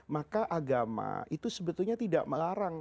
maka agama itu sebetulnya tidak melarang